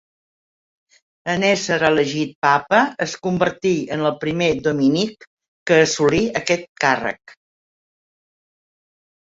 En ésser elegit papa, es convertí en el primer dominic que assolí aquest càrrec.